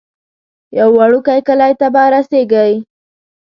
یو وړوکی کلی ته به رسیږئ.